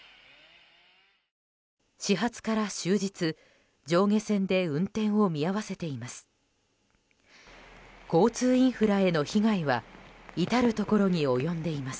始発から終日、上下線で運転を見合わせています。